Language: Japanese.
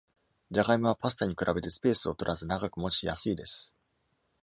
ジャガイモはパスタに比べてスペースをとらず、ながく持ち、安いです。